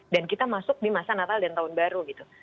dan kita masuk di masa natal dan tahun baru gitu